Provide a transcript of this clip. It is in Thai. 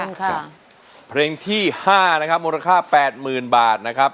ค่ะเพลงที่ห้านะครับมูลค่าแปดหมื่นบาทนะครับ